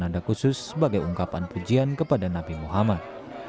nanda khusus sebagai ungkapan pujian kepada nabi muhammad